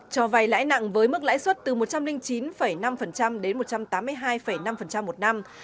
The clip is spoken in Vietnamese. cho vay lãi nặng với mức lãi suất từ một trăm linh chín năm đến một trăm tám mươi hai năm một năm